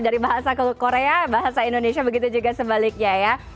dari bahasa korea bahasa indonesia begitu juga sebaliknya ya